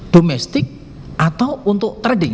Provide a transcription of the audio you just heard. domestik atau untuk trading